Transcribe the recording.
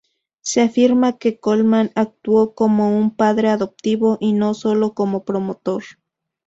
Se afirma que Colman actuó como un padre adoptivo y no solo como promotor.